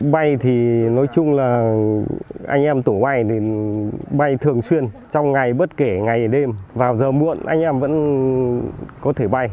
bay thì nói chung là anh em tổng bay thì bay thường xuyên trong ngày bất kể ngày đêm vào giờ muộn anh em vẫn có thể bay